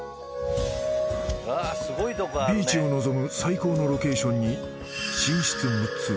［ビーチを望む最高のロケーションに］